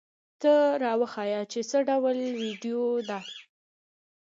ته را وښیه چې څه ډول ویډیو ده؟